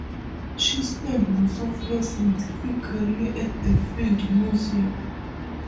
She spent most of her scientific career at the Field Museum.